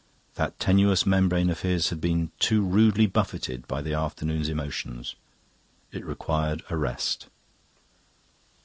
That tenuous membrane of his had been too rudely buffeted by the afternoon's emotions; it required a rest.